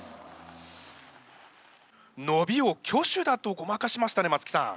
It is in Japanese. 伸びを挙手だとごまかしましたね松木さん。